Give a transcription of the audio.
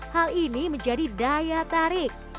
hal ini menjadi daya tarik